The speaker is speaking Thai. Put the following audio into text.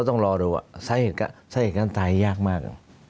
ต้องรอดูว่าสาเหตุการณ์สาเหตุการณ์ตายยากมาก